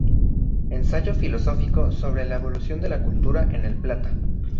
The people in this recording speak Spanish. Ensayo filosófico sobre la evolución de la cultura en el Plata".